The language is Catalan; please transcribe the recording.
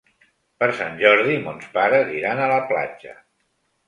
Per Sant Jordi mons pares iran a la platja.